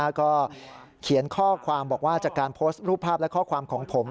ก็เขียนข้อความบอกว่าจากการโพสต์รูปภาพและข้อความของผม